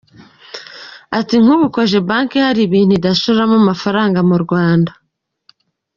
Ati “Nk’ubu Cogebanque hari ibintu idashoramo amafaranga mu Rwanda.